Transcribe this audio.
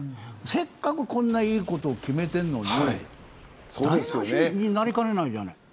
せっかくこんないいことを決めてるのに台無しになりかねないじゃない。